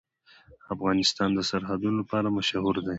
افغانستان د سرحدونه لپاره مشهور دی.